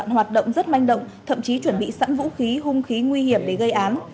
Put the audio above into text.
hoạt động rất manh động thậm chí chuẩn bị sẵn vũ khí hung khí nguy hiểm để gây án